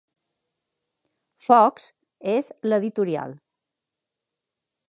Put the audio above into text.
Fox és l'editorial.